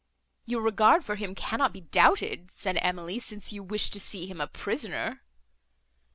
"Your regard for him cannot be doubted," said Emily, "since you wish to see him a prisoner."